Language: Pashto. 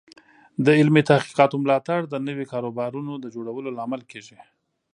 د علمي تحقیقاتو ملاتړ د نوي کاروبارونو د جوړولو لامل کیږي.